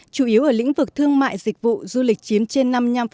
chủ yếu ở lĩnh vực thương mại dịch vụ du lịch chiếm trên năm mươi năm